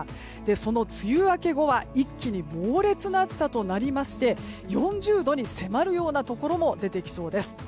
その梅雨明け後は一気に猛烈な暑さとなりまして４０度に迫るようなところも出てきそうです。